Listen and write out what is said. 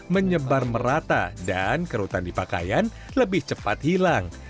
menyebar merata dan kerutan di pakaian lebih cepat hilang